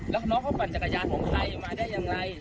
แล้วน้องเขาปั่นจักรยานของใครมาได้อย่างไร